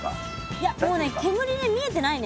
いやもうね煙で見えてないね。